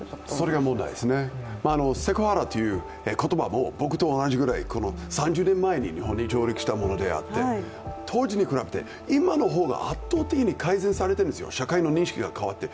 それが問題ですね、セクハラという言葉は僕と同じぐらい３０年前に日本に上陸したものであって当時と比べて今の方が圧倒的に改善されてるんですよ、社会の認識が変わって。